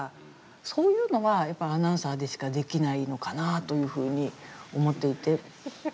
そういうのはアナウンサーでしかできないのかなというふうに思っていて。